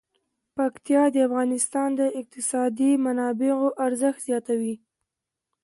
پکتیا د افغانستان د اقتصادي منابعو ارزښت زیاتوي.